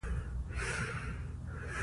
هلمند سیند د افغانستان د انرژۍ سکتور برخه ده.